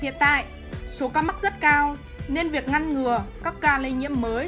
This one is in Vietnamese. hiện tại số ca mắc rất cao nên việc ngăn ngừa các ca lây nhiễm mới